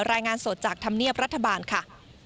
รายงานสดจากธรรมเนียบรัฐบาลค่ะ